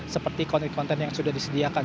seperti konten konten yang sudah disediakan